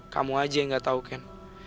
kamu aja yang gak tau kan